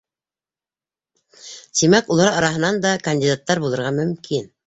Тимәк, улар араһынан да кандидаттар булырға мөмкин.